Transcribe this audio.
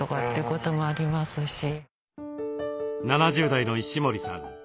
７０代の石森さん